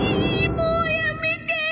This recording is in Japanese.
もうやめて！